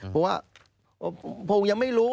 เพราะว่าผมยังไม่รู้